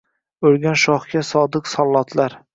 Oʻlgan shohga sodiq sollotlar